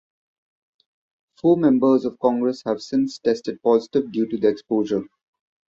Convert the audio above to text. Four members of Congress have since tested positive due to the exposure.